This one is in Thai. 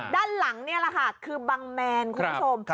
ด้านหลังนี่แหละค่ะคือบังแมนคุณผู้ชม